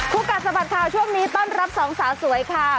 กัดสะบัดข่าวช่วงนี้ต้อนรับสองสาวสวยค่ะ